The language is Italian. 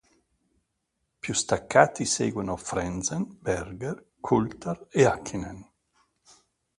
Più staccati seguono Frentzen, Berger, Coulthard e Häkkinen.